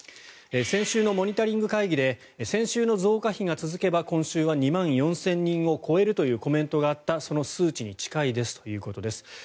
先週のモニタリング会議で先週の増加比が続けば今週は２万４０００人を超えるというコメントがあったがその数値に近いですということです。